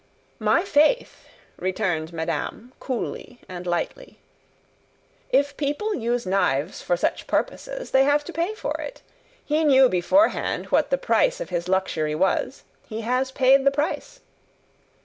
"My faith!" returned madame, coolly and lightly, "if people use knives for such purposes, they have to pay for it. He knew beforehand what the price of his luxury was; he has paid the price."